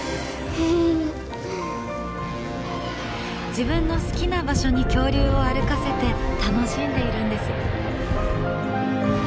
自分の好きな場所に恐竜を歩かせて楽しんでいるんです。